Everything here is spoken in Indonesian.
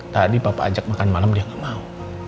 tadi papa ajak makan malam dia nggak mau